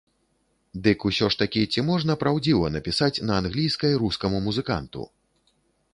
Дык усё ж такі, ці можна праўдзіва напісаць на англійскай рускаму музыканту?